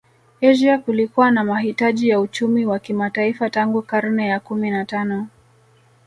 Asia kulikuwa na mahitaji ya uchumi wa kimataifa tangu karne ya kumi na tano